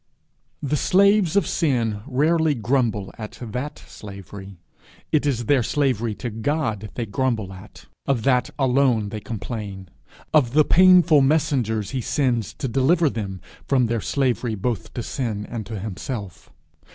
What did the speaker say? The slaves of sin rarely grumble at that slavery; it is their slavery to God they grumble at; of that alone they complain of the painful messengers he sends to deliver them from their slavery both to sin and to himself.